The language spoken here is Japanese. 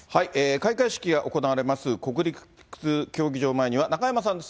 開会式が行われます国立競技場前には、中山さんです。